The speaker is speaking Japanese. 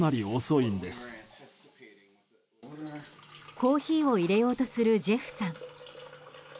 コーヒーを入れようとするジェフさん。